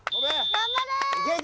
頑張れ！